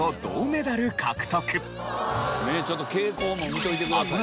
ちょっと傾向も見ておいてくださいよ。